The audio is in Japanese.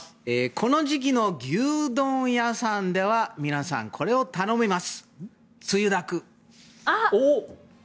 この時期の牛丼屋さんでは皆さん、これを頼みます。